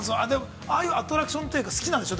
ああいうアトラクションというか、好きなんでしょう？